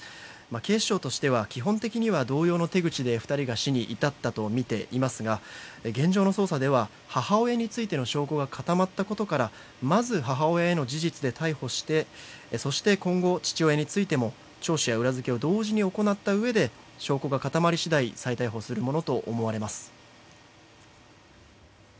警視庁としては基本的には同様の手口で２人が死に至ったとみていますが現状の捜査では、母親についての証拠が固まったことからまず母親への事実で逮捕してそして、今後父親についても聴取や裏付けを同時に行ったうえで証拠が固まり次第再逮捕するものと思われます。